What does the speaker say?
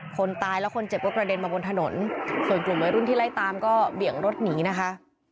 คนตายและคนเจ็บก็กระเด็นมาบนถนนส่วนกลุ่มวัยรุ่นที่ไล่ตามก็เบี่ยงรถหนีนะคะ